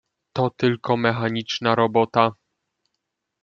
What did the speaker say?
"„To tylko mechaniczna robota."